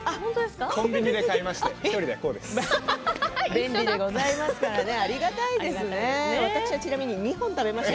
コンビニで買いました。